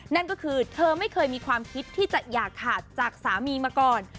นั่นก็คือเธอไม่เคยมีความคิดที่จะอย่าขาดจากสามีมาก่อน